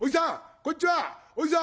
こんちはおじさん！」。